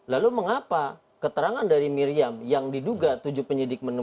lalu mengapa keterangan dari miriam yang diduga tujuh penyidik menemukan